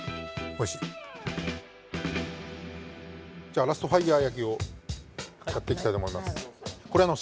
じゃあラストファイヤー焼きをやっていきたいと思います。